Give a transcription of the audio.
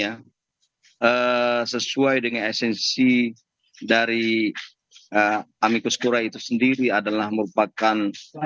yang sesuai dengan esensi dari amicus curiae itu sendiri adalah merupakan